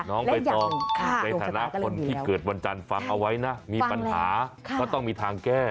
น้องใบตองในฐานะคนที่เกิดวันจันทร์ฟังเอาไว้นะมีปัญหาก็ต้องมีทางแก้